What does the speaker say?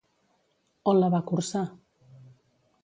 On la va cursar?